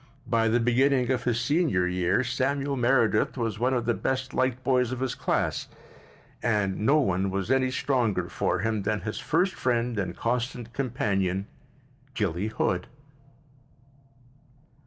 By the beginning of his senior year Samuel Meredith was one of the best liked boys of his class—and no one was any stronger for him than his first friend and constant companion, Gilly Hood.